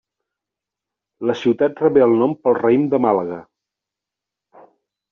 La ciutat rebé el nom pel raïm de Màlaga.